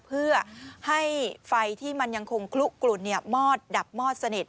เพื่อให้ไฟที่มันยังคงคลุกลุ่นมอดดับมอดสนิท